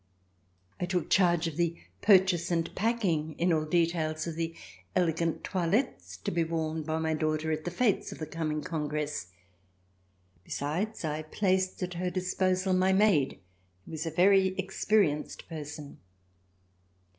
I took charge of the purchase and packing, in all details, of the elegant toilettes to be worn by my daughter at the fetes of the coming Congress. Besides, I placed at her disposal my maid who was a very experienced person.